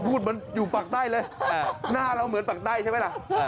พูดเหมือนอยู่ปากใต้เลยหน้าเราเหมือนปากใต้ใช่ไหมล่ะ